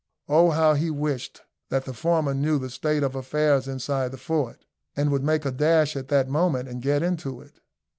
Oh, how he wished that the former knew the state of affairs inside the fort, and would make a dash at that moment and get into it!